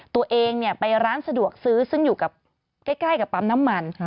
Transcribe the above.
ตัวเองไปร้านสะดวกซื้อซึ่งอยู่ใกล้กับปั๊มน้ำมัน